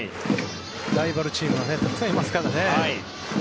ライバルチームはたくさんいますからね。